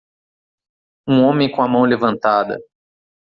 Um homem com a mão levantada.